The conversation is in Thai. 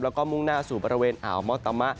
แล้วก็มุ่งหน้าสู่บริเวณอ่าวมอตามะ